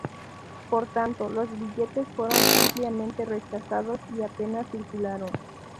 Por tanto, los billetes fueron ampliamente rechazados y apenas circularon.